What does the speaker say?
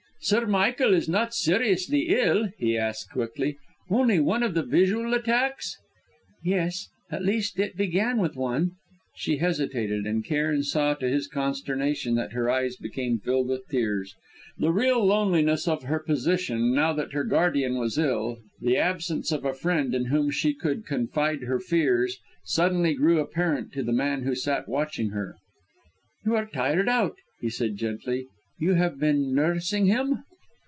"Sir Michael is not seriously ill?" he asked quickly. "Only one of the visual attacks " "Yes at least it began with one." She hesitated, and Cairn saw to his consternation that her eyes became filled with tears. The real loneliness of her position, now that her guardian was ill, the absence of a friend in whom she could confide her fears, suddenly grew apparent to the man who sat watching her. "You are tired out," he said gently. "You have been nursing him?"